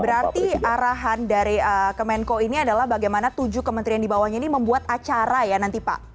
berarti arahan dari kemenko ini adalah bagaimana tujuh kementerian di bawahnya ini membuat acara ya nanti pak